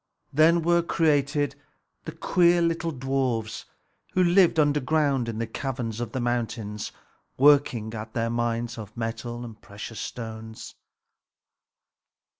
Then were created the queer little dwarfs, who lived underground in the caverns of the mountains, working at their mines of metal and precious stones.